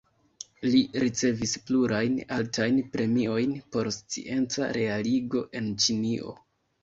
Li ricevis plurajn altajn premiojn por scienca realigo en Ĉinio.